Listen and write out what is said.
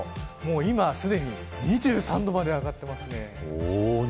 今すでに２３度まで上がってますね。